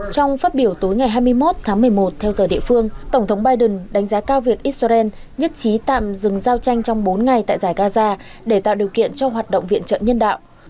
trong phát biểu tối ngày hai mươi một tháng một mươi một theo giờ địa phương tổng thống biden đánh giá cao việc israel nhất trí tạm dừng giao tranh trong bốn ngày tại giải gaza để tạo điều kiện cho hoạt động viện trợ nhân đạo